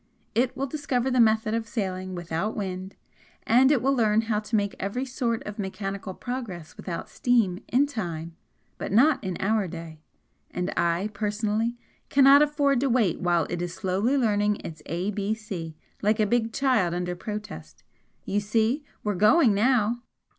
It will discover the method of sailing without wind, and it will learn how to make every sort of mechanical progress without steam in time but not in our day, and I, personally, cannot afford to wait while it is slowly learning its ABC like a big child under protest. You see we're going now!"